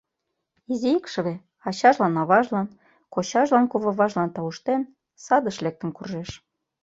Изи икшыве, ачажлан-аважлан, кочажлан-куваважлан тауштен, садыш лектын куржеш.